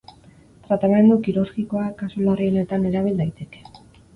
Tratamendu kirurgikoa kasu larrienetan erabil daiteke.